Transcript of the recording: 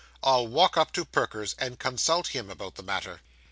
'I'll walk up to Perker's, and consult him about the matter.